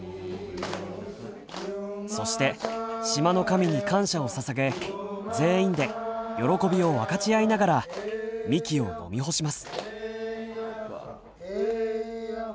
そして島の神に感謝をささげ全員で喜びを分かち合いながらみきを飲み干します。